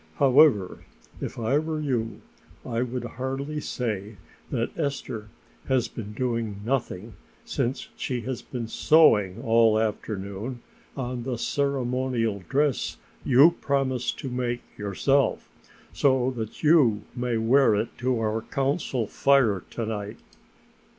"However, if I were you, I would hardly say that Esther has been doing nothing since she has been sewing all afternoon on the ceremonial dress you promised to make your self, so that you may wear it to our Council Fire to night."